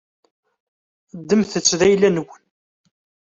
Ddmet-t d ayla-nwen.